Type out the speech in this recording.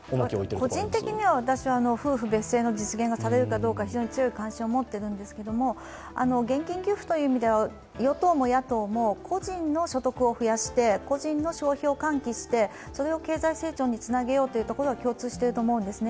個人的には私は夫婦別姓の実現がされるかどうか非常に強い関心を持っているんですけど現金給付という意味では与党も野党も個人の所得を増やして個人の消費を喚起して、それを経済成長につなげようとしているところは共通していると思うんですね。